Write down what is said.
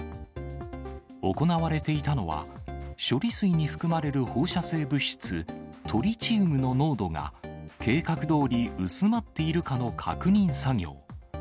行われていたのは、処理水に含まれる放射性物質、トリチウムの濃度が計画どおり薄まっているかの確認作業。